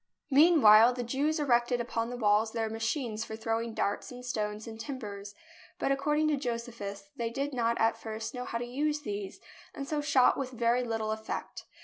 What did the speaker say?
Meanwhile the Jews erected upon the walls their machines for throwing darts and stones and tim bers, but according to Josephus, they did not at first know how to use these, and so shot with very little effect.